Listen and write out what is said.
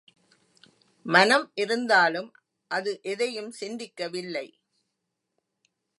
மனம் இருந்தாலும் அது எதையும் சிந்திக்கவில்லை.